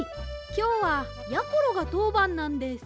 きょうはやころがとうばんなんです。